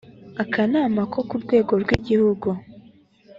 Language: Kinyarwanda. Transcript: akanama ko ku rwego rw’igihugu